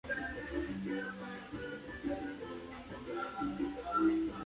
Sus grandes ventanales presentan una rosa en su parte superior.